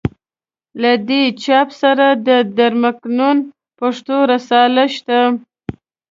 له دې چاپ سره د در مکنون پښتو رساله شته.